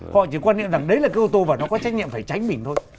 họ chỉ quan niệm rằng đấy là cái ô tô và nó có trách nhiệm phải tránh mình thôi